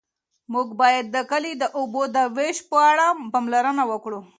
موږ باید د کلي د اوبو د وېش په اړه پاملرنه وکړو.